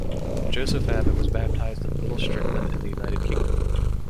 Joseph Abbott was baptized in Little Strickland, in the United Kingdom.